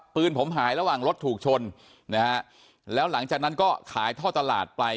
ปืนผมหายระหว่างรถถูกชนนะฮะแล้วหลังจากนั้นก็ขายท่อตลาดไป